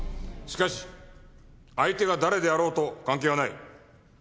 しかし相手が誰であろうと関係はない。